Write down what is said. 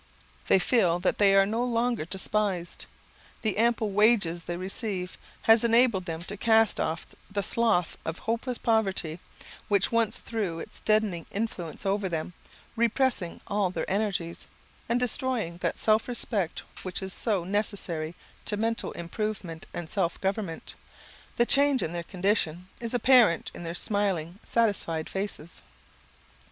They feel that they are no longer despised; the ample wages they receive has enabled them to cast off the slough of hopeless poverty, which once threw its deadening influence over them, repressing all their energies, and destroying that self respect which is so necessary to mental improvement and self government, The change in their condition is apparent in their smiling, satisfied faces.